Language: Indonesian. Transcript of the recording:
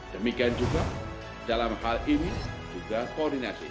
demikian juga dalam hal ini juga koordinasi